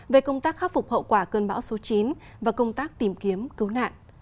về công tác khắc phục hậu quả cơn bão số chín và công tác tìm kiếm cứu nạn